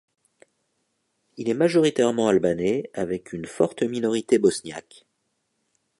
Il est majoritairement albanais, avec une forte minorité bosniaque.